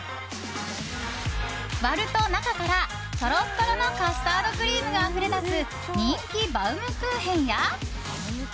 割ると、中からとろとろのカスタードクリームがあふれ出す人気バウムクーヘンや。